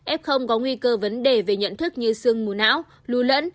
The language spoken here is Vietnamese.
ép không có nguy cơ vấn đề về nhận thức như sương mù não lù lẫn